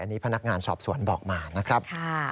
อันนี้พนักงานสอบสวนบอกมานะครับ